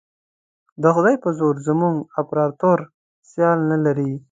د خدای په زور زموږ امپراطور سیال نه لري.